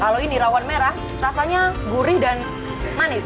kalau ini rawon merah rasanya gurih dan manis